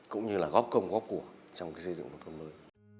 cũng như là góp công góp của trong xây dựng nông thôn mới